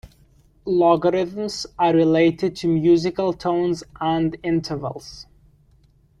Logarithms are related to musical tones and intervals.